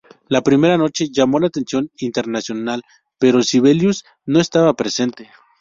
La primera noche llamó la atención internacional, pero Sibelius no estaba presente.